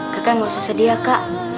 kakak gak usah sedia kak